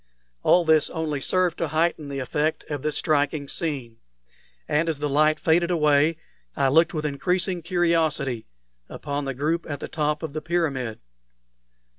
All this only served to heighten the effect of this striking scene; and as the light faded away, I looked with increasing curiosity upon the group at the top of the pyramid.